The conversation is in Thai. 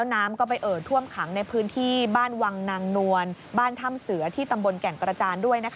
น้ำไปเอิญท่วมขังในบ้านวังนังนวรบ้านถ้ำเสือที่ตำบลแก่งกระจาน